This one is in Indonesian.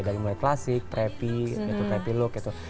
dari mulai klasik preppy preppy look gitu